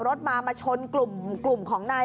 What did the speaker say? รถมาชนกลุ่มยนต์ของ